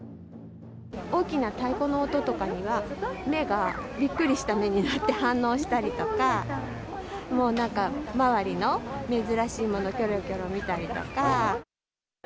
大きな太鼓の音とかには、目がびっくりした目になって反応したりとか、もうなんか周りの珍しいもの、きょろきょろ見たりとか。